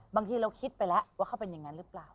บางทีเราคิดไปแล้วว่าเขาเป็นอย่างนั้นหรือเปล่า